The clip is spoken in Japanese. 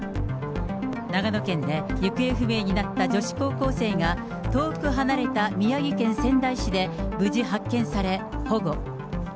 長野県で行方不明になった女子高校生が、遠く離れた宮城県仙台市で無事発見され、保護。